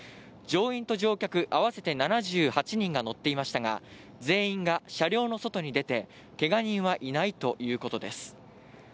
乗員と乗客合わせて７８人が乗っていましたが、全員が車両の外に出て、けが人はいないということです。